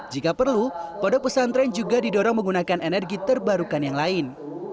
jika perlu podok pesantren juga didorong menggunakan energi terbarukan yang lain